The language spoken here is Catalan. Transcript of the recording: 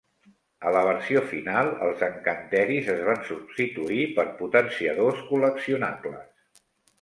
A la versió final, els encanteris es van substituir per potenciadors col·leccionables.